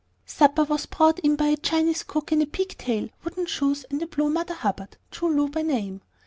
Supper was brought in by a Chinese cook in a pigtail, wooden shoes, and a blue Mother Hubbard, Choo Loo by name.